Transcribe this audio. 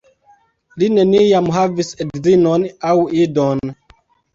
Li neniam havis edzinon aŭ idon.